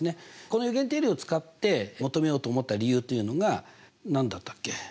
この余弦定理を使って求めようと思った理由というのが何だったっけ？